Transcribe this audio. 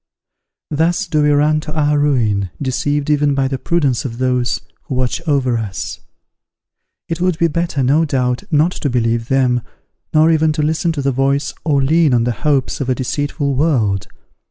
Thus do we run to our ruin, deceived even by the prudence of those who watch over us: it would be better, no doubt, not to believe them, nor even to listen to the voice or lean on the hopes of a deceitful world.